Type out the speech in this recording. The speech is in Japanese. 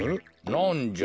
なんじゃ？